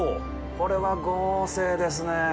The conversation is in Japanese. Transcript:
これは豪勢ですね。